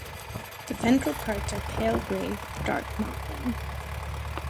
The ventral parts are pale gray with dark mottling.